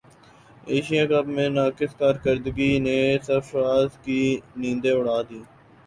Asia cup میں ناقص کارکردگی نے سرفراز کی نیندیں اڑا دیں